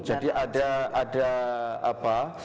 jadi ada apa